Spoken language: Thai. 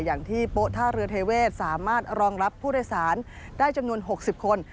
โป๊ท่าเรือเทเวศสามารถรองรับผู้โดยสารได้จำนวน๖๐คน